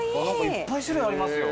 いっぱい種類ありますよ。